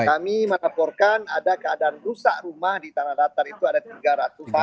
kami melaporkan ada keadaan rusak rumah di tanah datar itu ada tiga ratus an